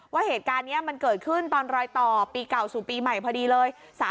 ว่าเหตุการณ์นี้มันเกิดขึ้นตอนรอยต่อปีเก่าสู่ปีใหม่พอดีเลย